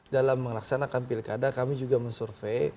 dalam melaksanakan pilkada kami juga men survey